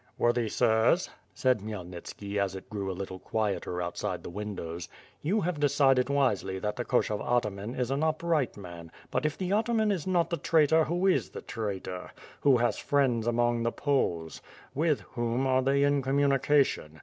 "Worthy sirs," said Khmyelnitski, as it grew a little quieter outside the windows, "you have decided wisely that the Koshov ataman is an upriglit man, but if the ataman is not the traitor, who is the traitor? Who has friends among the Poles? With whom are they in communication?